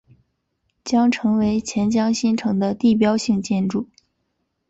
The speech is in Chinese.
将成为钱江新城的地标性建筑。